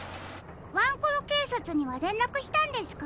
ワンコロけいさつにはれんらくしたんですか？